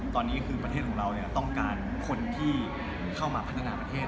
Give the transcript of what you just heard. ตอนนี้คือประเทศของเราต้องการคนที่เข้ามาพัฒนาประเทศ